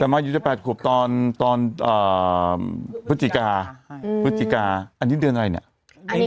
มายุจะ๘ขวบตอนพุธิกาอันนี้เดือนอะไรเนี่ย